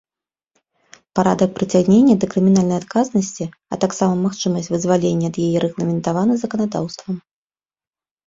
Парадак прыцягнення да крымінальнай адказнасці, а таксама магчымасць вызвалення ад яе рэгламентаваны заканадаўствам.